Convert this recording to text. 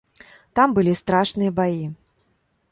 Там былі страшныя баі.